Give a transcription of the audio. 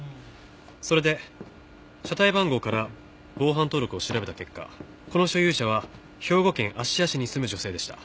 それで車体番号から防犯登録を調べた結果この所有者は兵庫県芦屋市に住む女性でした。